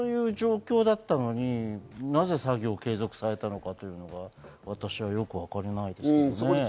そういう状況だったのになぜ作業を継続されたのか、私は、よくわからないです。